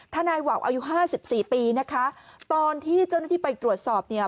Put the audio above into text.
ทนายวาวอายุห้าสิบสี่ปีนะคะตอนที่เจ้าหน้าที่ไปตรวจสอบเนี่ย